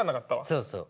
そうそう。